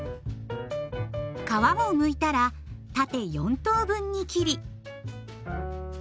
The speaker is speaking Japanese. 皮をむいたら縦４等分に切り。